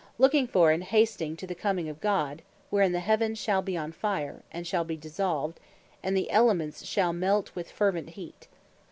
"looking for, and hasting to the comming of God, wherein the Heavens shall be on fire, and shall be dissolved, and the Elements shall melt with fervent heat.